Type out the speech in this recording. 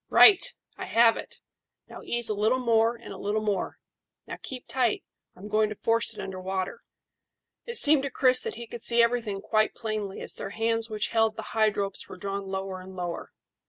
Right! I have it; now ease a little more and a little more. Now keep tight; I'm going to force it under water." It seemed to Chris that he could see everything quite plainly as their hands which held the hide ropes were drawn lower and lower.